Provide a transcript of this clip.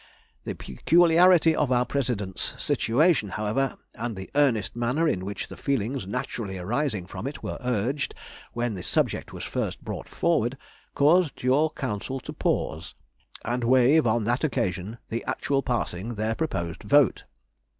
The peculiarity of our President's situation, however, and the earnest manner in which the feelings naturally arising from it were urged when the subject was first brought forward, caused your Council to pause,—and waive on that occasion the actual passing their proposed vote.